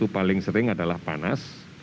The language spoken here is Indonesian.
paling sering adalah panas